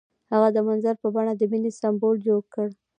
هغه د منظر په بڼه د مینې سمبول جوړ کړ.